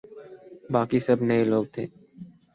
باقی سب نئے لوگ تھے۔